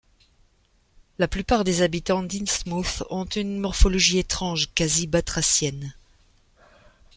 La plupart des habitants d'Innsmouth ont une morphologie étrange, quasi-batracienne.